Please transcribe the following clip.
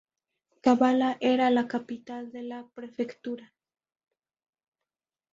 Kavala era la capital de la prefectura.